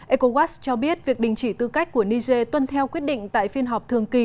ecowas cho biết việc đình chỉ tư cách của niger tuân theo quyết định tại phiên họp thường kỳ